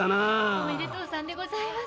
おめでとうさんでございます。